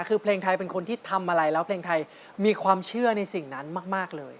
คือเพลงไทยเป็นคนที่ทำอะไรแล้วเพลงไทยมีความเชื่อในสิ่งนั้นมากเลย